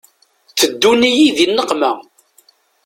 Teddun-iyi di nneqma.